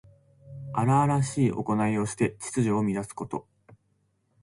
荒々しいおこないをして秩序を乱すこと。